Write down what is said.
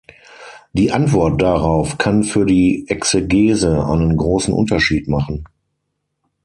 Die Antwort darauf kann für die Exegese einen großen Unterschied machen.